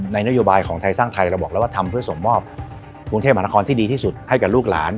นโยบายของไทยสร้างไทยเราบอกแล้วว่าทำเพื่อส่งมอบกรุงเทพมหานครที่ดีที่สุดให้กับลูกหลาน